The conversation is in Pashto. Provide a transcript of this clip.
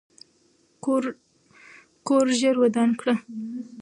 کور ژر ودان کړه.